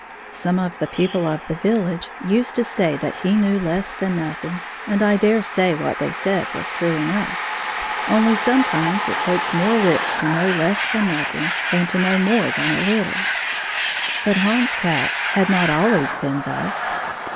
Some of the people of the village used to say that he knew less than nothing, and I dare say what they said was true enough — only sometimes it takes more wita to know less than nothing than to know more than a Uttle. But Hans Krout had not always been thus.